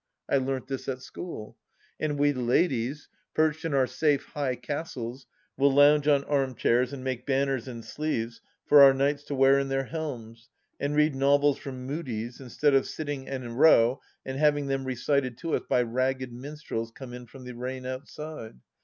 I learnt this at school. And we ladies, perched in our safe high castles, will lounge on arm chairs and make banners and sleaves for our knights to wear in their heaulmes ... and read novels from Mudie's, instead of sitting in a row and having them recited to us by ragged minstrels come in from the rain outside.